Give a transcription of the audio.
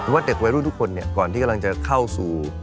ว่าเด็กวัยรุ่นทุกคนก่อนที่กำลังจะเข้าสู่